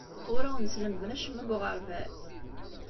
Ur awen-slemden acemma deg uɣerbaz?